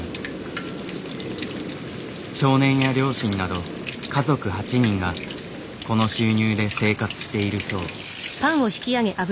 少年や両親など家族８人がこの収入で生活しているそう。